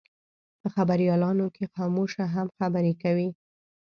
په خبریالانو کې خاموشه هم خبرې کوي.